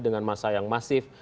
dengan masa yang masif